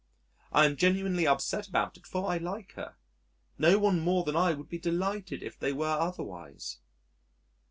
I am genuinely upset about it for I like her. No one more than I would be more delighted if they were otherwise....